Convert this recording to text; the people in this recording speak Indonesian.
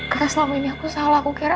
karena selama ini aku salah aku kira